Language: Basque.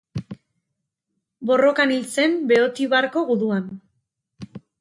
Borrokan hil zen Beotibarko guduan.